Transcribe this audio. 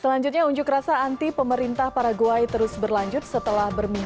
selanjutnya unjuk rasa anti pemerintah paraguay terus berlanjut setelah bermimpinan